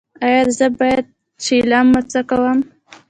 ایا زه باید چلم وڅکوم؟